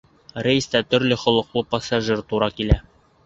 Рейста төрлө холоҡло пассажир тура килә.